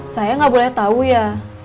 saya nggak boleh tahu ya